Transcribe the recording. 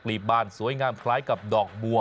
บานสวยงามคล้ายกับดอกบัว